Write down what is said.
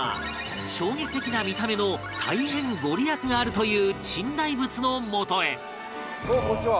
衝撃的な見た目の大変御利益があるという珍大仏のもとへ